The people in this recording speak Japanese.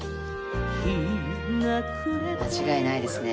間違いないですね。